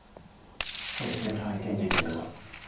そうですね現時点では。